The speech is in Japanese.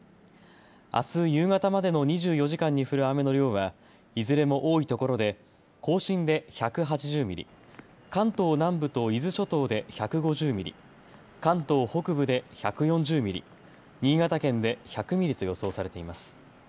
あす夕方までの２４時間に降る雨の量はいずれも多いところで甲信で１８０ミリ、関東南部と伊豆諸島で１５０ミリ、関東北部で１４０ミリ、新潟県で１００ミリと予想されています。